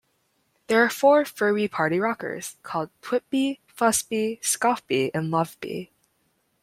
There are four Furby Party Rockers, called Twitby, Fussby, Scoffby and Loveby.